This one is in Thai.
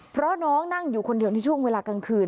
เพราะน้องนั่งอยู่คนเดียวในช่วงเวลากลางคืน